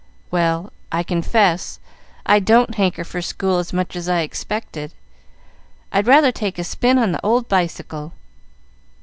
"Well, I confess I don't hanker for school as much as I expected. I'd rather take a spin on the old bicycle.